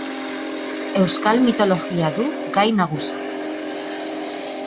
Euskal mitologia du gai nagusi.